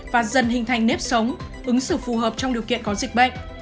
và dần hình thành nếp sống ứng xử phù hợp trong điều kiện có dịch bệnh